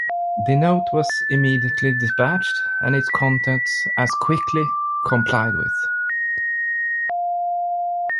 The note was immediately dispatched, and its contents as quickly complied with.